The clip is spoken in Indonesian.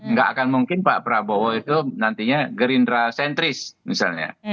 nggak akan mungkin pak prabowo itu nantinya gerindra sentris misalnya